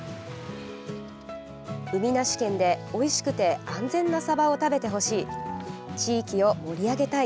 「海なし県で、おいしくて安全なサバを食べてほしい」「地域を盛り上げたい」